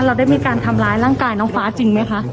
เราได้มีการทำร้ายร่างกายน้องฟ้าจริงไหมคะ